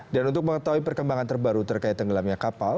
dan untuk mengetahui perkembangan terbaru terkait tenggelamnya kapal